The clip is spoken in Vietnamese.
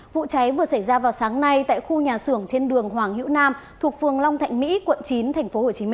vụ cháy vừa xảy ra vào sáng nay tại khu nhà xưởng trên đường hoàng hữu nam thuộc phường long thạnh mỹ quận chín tp hcm